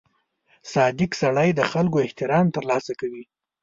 • صادق سړی د خلکو احترام ترلاسه کوي.